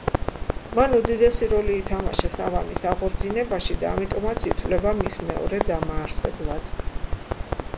მან უდიდესი როლი ითამაშა სავანის აღორძინებაში და ამიტომაც ითვლება მის მეორე დამაარსებლად.